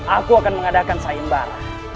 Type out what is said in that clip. aku akan mengadakan sayembara